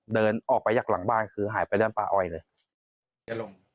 เดินออกไปจากหลังบ้านคือหายไปด้านป้าอ้อยเลย